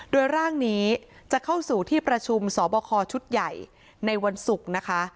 โดยร่างนี้จะเข้าสู่ที่ประชุมสอบคอชุดใหญ่ในวันศุกร์นะคะ